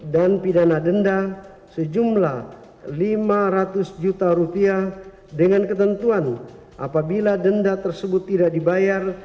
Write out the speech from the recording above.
dan pidana denda sejumlah lima ratus juta rupiah dengan ketentuan apabila denda tersebut tidak dibayar